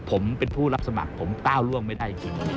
ผมเป็นผู้รับสมัครผมก้าวล่วงไม่ได้จริง